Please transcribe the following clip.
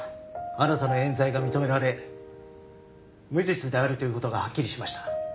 あなたの冤罪が認められ無実であるという事がはっきりしました。